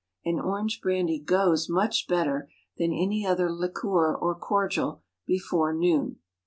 And orange brandy "goes" much better than any other liqueur, or cordial, before noon.